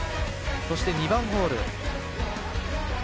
そして、２番ホール。